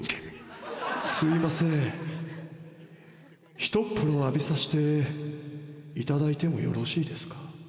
「すいませんひとっ風呂浴びさしていただいてもよろしいですか？」。